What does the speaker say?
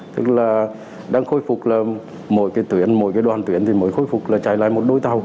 tức là đang khôi phục là mỗi cái tuyển mỗi cái đoàn tuyển thì mới khôi phục là trải lại một đôi tàu